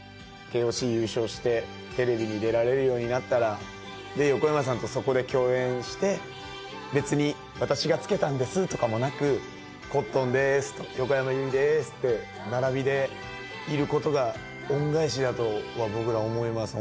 ＫＯＣ優勝してテレビに出られるようになったらで横山さんとそこで共演して別に「私が付けたんです」とかもなく「コットンでーす」「横山由依でーす」って並びでいることが恩返しやと僕らは思います